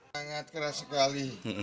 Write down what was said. sangat keras sekali